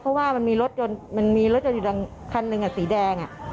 เพราะว่ามันมีรถยนต์มันมีรถยนต์อยู่คันหนึ่งสีแดง